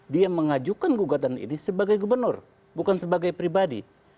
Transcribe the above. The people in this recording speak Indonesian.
dia mengajukan gugatan ini sebagai gubernur bukan sebagai pribadi